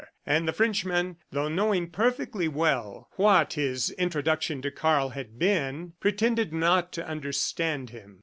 And the Frenchman, though knowing perfectly well what his introduction to Karl had been, pretended not to understand him.